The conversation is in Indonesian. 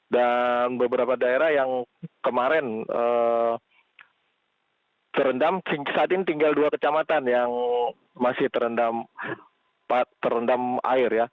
dan beberapa daerah yang kemarin terendam saat ini tinggal dua kecamatan yang masih terendam air ya